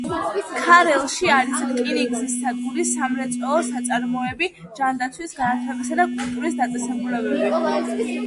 ქარელში არის რკინიგზის სადგური, სამრეწველო საწარმოები, ჯანდაცვის, განათლებისა და კულტურის დაწესებულებები.